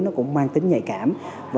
nó cũng mang tính nhạy cảm